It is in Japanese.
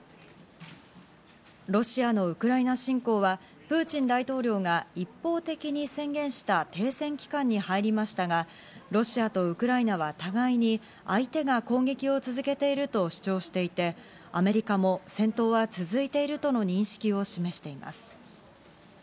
ロシアのウクライナ侵攻は、プーチン大統領が一方的に宣言した停戦期間に入りましたが、ロシアとウクライナは互いに相手が攻撃を続けていると主張していて、アメリカも戦闘は続いているとの認識を示しています。